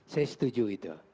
saya setuju itu